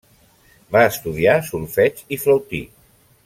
Va estudiar solfeig i flautí.